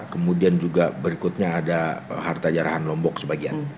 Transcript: kemudian juga berikutnya ada harta jarahan lombok sebagian